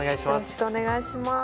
よろしくお願いします。